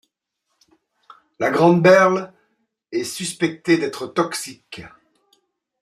La grande berle est suspectée d'être toxique.